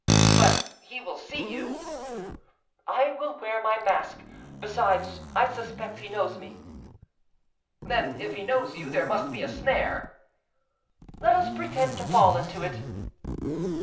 "But he will see you?" "I will wear my mask. Besides, I suspect he knows me." "Then, if he knows you, there must be a snare." "Let us pretend to fall into it."